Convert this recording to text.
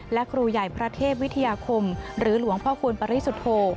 และครูใหญ่พระเทพวิทยาคมหรือหลวงพ่อคูณปริสุทธโธ